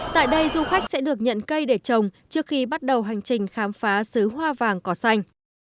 tại đây du khách sẽ được nhận cây để trồng trước khi bắt đầu hành trình khám phá xứ hoa vàng cỏ xanh